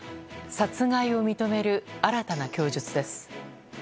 殺害を認める新たな供述です。